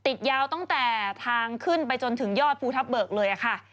ติดยาวตั้งแต่ทางขึ้นไปจนถึงยอดภูทับเบิกเลยค่ะ